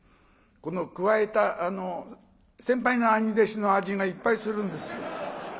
このくわえた先輩の兄弟子の味がいっぱいするんですよ。